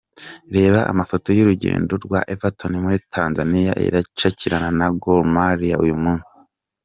Reba Amafoto y’urugendo rwa Everton muri Tanzania iracakirana na Gor Mahia uyu munsi .